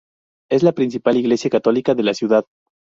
Es la principal iglesia católica de la ciudad.